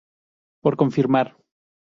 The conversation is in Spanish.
Por confirmar.